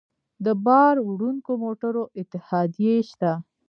د بار وړونکو موټرو اتحادیې شته